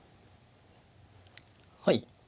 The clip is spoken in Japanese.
はい。